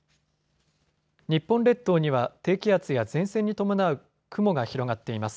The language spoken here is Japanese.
日本列島には低気圧や前線に伴う雲が広がっています。